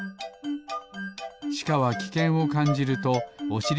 しかはきけんをかんじるとおしり